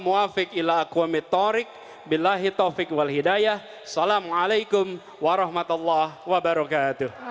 mu'afiq illa akuwami torik billahi taufiq walhidayah salamualaikum warahmatullah wabarakatuh